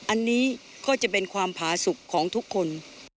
อันนี้ก็จะเป็นความผาสุขของทุกคน